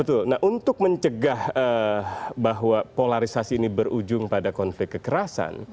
betul nah untuk mencegah bahwa polarisasi ini berujung pada konflik kekerasan